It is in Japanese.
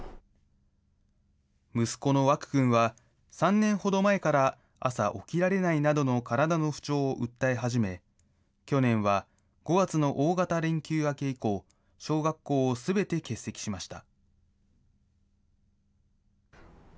息子の和空君は、３年ほど前から朝起きられないなどの体の不調を訴え始め、去年は５月の大型連休明け以降、小学校をすべて欠席しました。